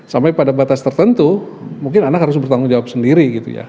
sampai pada batas tertentu mungkin anak harus bertanggung jawab sendiri gitu ya